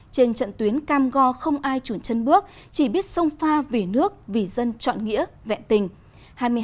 trên trận tuyến cam go không ai trùn chân bước chỉ biết sông pha vì nước vì dân chọn nghĩa vẹn tình